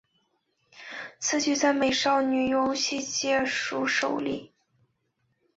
此举在美少女游戏界属首例。